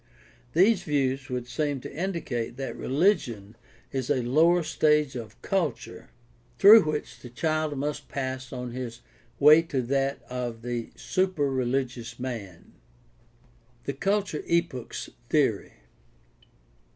These views would seem to indicate that religion is a lower stage of culture through PRACTICAL THEOLOGY 649 which the child must pass on his way to that of the super rehgious man. The culture epochs theory.